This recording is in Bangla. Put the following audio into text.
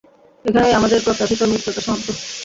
এখানেই আমাদের অপ্রত্যাশিত মিত্রতা সমাপ্ত।